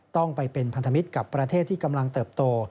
ต้องไปเป็นพันธมิตรกับประเทศที่กำลังเติบโต